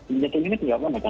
ini tidak mengenakan